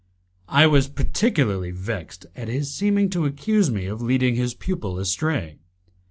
I was particularly vexed at his seeming to accuse me of leading his pupil astray.